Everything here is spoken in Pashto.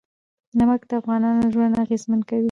نمک د افغانانو ژوند اغېزمن کوي.